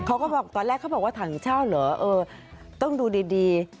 เขาก็บอกตอนแรกเขาบอกว่าถังเช่าเหรอเออต้องดูดี